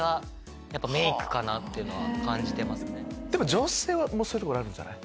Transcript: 女性はそういうところあるんじゃない？